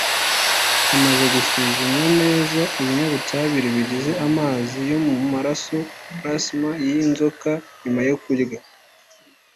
Hamaze gusuzumwa neza ibinyabutabire bigize amazi yo mu maraso“plasma” y’iyi nzoka nyuma yo kurya